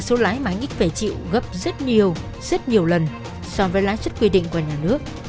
người ta số lái máy nghịch về triệu gấp rất nhiều rất nhiều lần so với lái xuất quy định của nhà nước